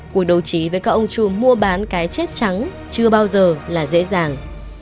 cuộc đấu trí với các ông chùm mua bán cái chết trắng chưa bao giờ là dễ dàng